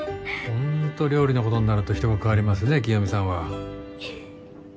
ホント料理のことになると人が変わりますね清美さんは。